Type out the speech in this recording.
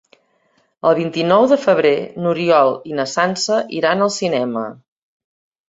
El vint-i-nou de febrer n'Oriol i na Sança iran al cinema.